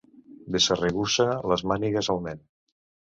Desarregussa les mànigues al nen.